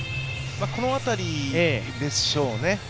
この辺りでしょうね。